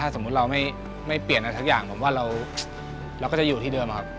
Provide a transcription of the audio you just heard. สมมุติเราไม่เปลี่ยนอะไรสักอย่างผมว่าเราก็จะอยู่ที่เดิมครับ